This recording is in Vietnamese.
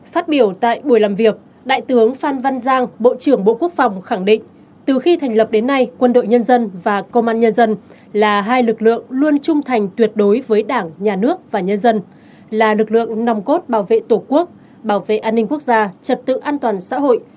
phát biểu tại buổi làm việc đại tướng phan văn giang bộ trưởng bộ quốc phòng khẳng định từ khi thành lập đến nay quân đội nhân dân và công an nhân dân là hai lực lượng luôn trung thành tuyệt đối với đảng nhà nước và nhân dân là lực lượng nòng cốt bảo vệ tổ quốc bảo vệ an ninh quốc gia trật tự an toàn xã hội